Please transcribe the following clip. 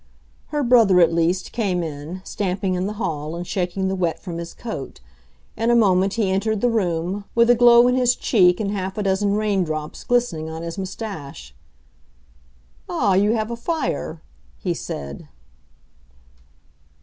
Her brother, at least, came in, stamping in the hall and shaking the wet from his coat. In a moment he entered the room, with a glow in his cheek and half a dozen rain drops glistening on his moustache. "Ah, you have a fire," he said.